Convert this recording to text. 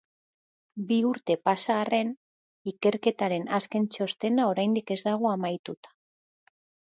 Bi urte pasa arren, ikerketaren azken txostena oraindik ez dago amaituta.